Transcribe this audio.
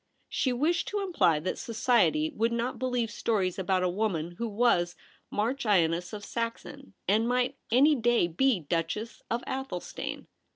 She wished to Imply that society would not believe stories about a woman who was Marchioness of Saxon and might any day be Duchess of Athelstane.